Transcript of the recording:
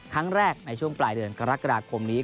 ครั้งแรกในช่วงปลายเดือนกรกฎาคมนี้